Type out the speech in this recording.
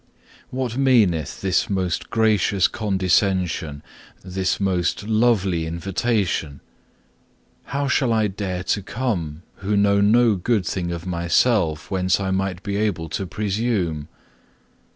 3. What meaneth this most gracious condescension, this most lovely invitation? How shall I dare to come, who know no good thing of myself, whence I might be able to presume?